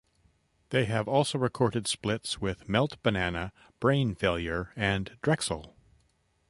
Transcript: They have also recorded splits with Melt-Banana, Brain Failure, and Drexel.